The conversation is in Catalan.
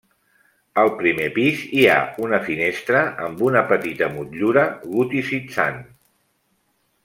Al primer pis hi ha una finestra amb una petita motllura goticitzant.